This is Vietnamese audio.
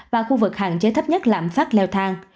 và khu vực hạn chế thấp nhất lạm phát leo thang